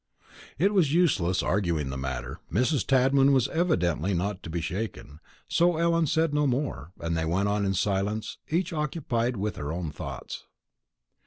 It was useless arguing the matter; Mrs. Tadman was evidently not to be shaken; so Ellen said no more; and they sat on in silence, each occupied with her own thoughts.